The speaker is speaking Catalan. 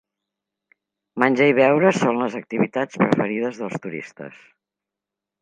Menjar i beure són les activitats preferides dels turistes.